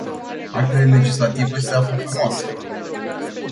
Actele legislative se află pe masă.